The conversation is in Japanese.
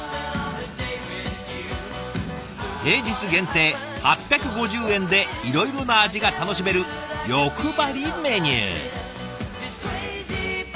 平日限定８５０円でいろいろな味が楽しめる欲張りメニュー。